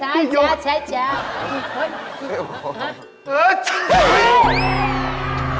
กรมเก๋ก